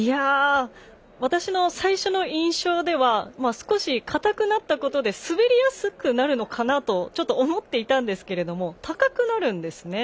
私の最初の印象では少し固くなったことで滑りやすくなるのかなとちょっと思っていたんですけれども高くなるんですね。